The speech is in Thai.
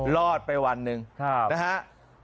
รอดไปวันนึงนะครับ